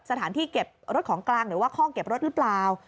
สถานที่เก็บรถของกลางหรือว่าข้อเก็บรถหรือเปล่า